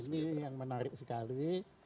ini yang menarik sekali